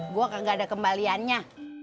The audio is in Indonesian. gua kan gak ada kembaliannya